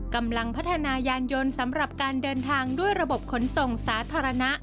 กำลังพัฒนายานยนต์สำหรับการเดินทางด้วยระบบขนส่งสาธารณะ